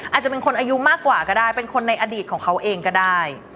อาจจะเป็นคนอายุมากกว่าก็ได้เป็นคนในอดีตของเขาเองก็ได้